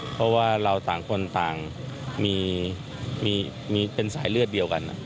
เพราะว่าเราต่างคนต่างมีเป็นสายเลือดเดียวกัน